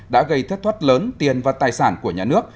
đã gây thất thoát lớn tiền và tài sản của nhà nước